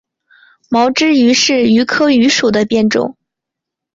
毛枝榆是榆科榆属的变种。